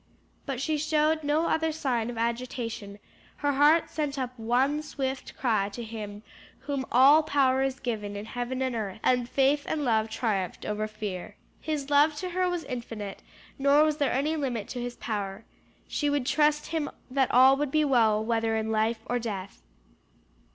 But she showed no other sign of agitation; her heart sent up one swift cry to him to whom "all power is given in heaven and in earth," and faith and love triumphed over fear. His love to her was infinite nor was there any limit to his power. She would trust him that all would be well whether in life or death.